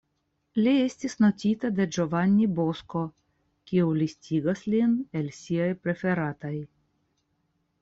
Li estis notita de Giovanni Bosco, kiu listigas lin el siaj preferataj.